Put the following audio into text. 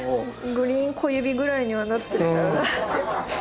グリーン小指ぐらいにはなってたら。